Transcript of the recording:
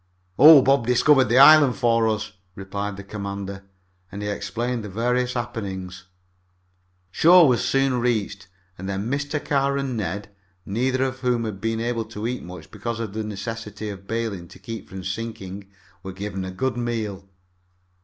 "Oh, Bob discovered the island for us," replied the commander, and he explained the various happenings. Shore was soon reached, and then Mr. Carr and Ned, neither of whom had been able to eat much because of the necessity of bailing to keep from sinking, were given a good meal.